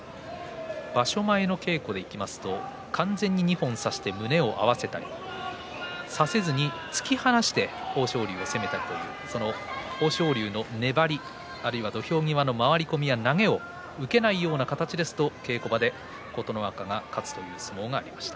場所前の稽古でいきますと完全に二本差して胸を合わせて差せずに突き放して豊昇龍を攻めたというその豊昇龍にも粘り、あるいは土俵際の回り込みが投げを受けないような形ですと稽古場で琴ノ若が勝つことがありました。